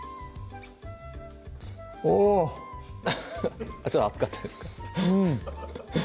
おぉちょっと熱かったですか？